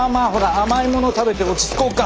甘いもの食べて落ち着こうか。